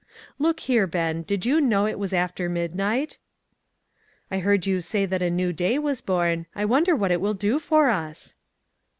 Look here, Ben, did you know it was after midnight?" "I heard you say that a new day was born. I wonder what it will do for us!"